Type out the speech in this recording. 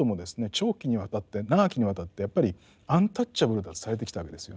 長期にわたって長きにわたってやっぱりアンタッチャブルだとされてきたわけですよね。